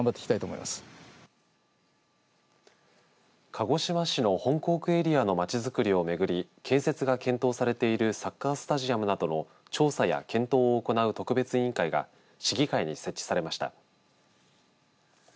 鹿児島市の本港区エリアのまちづくりを巡り建設が検討されているサッカースタジアムなどの調査や検討を行う特別委員会が市議会に設置されました。